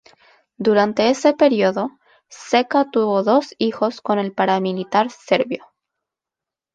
Durante ese período, Ceca tuvo dos hijos con el paramilitar serbio.